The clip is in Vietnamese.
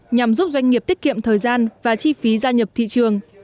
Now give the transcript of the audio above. nhằm giúp doanh nghiệp tiết kiệm thời gian và chi phí gia nhập thị trường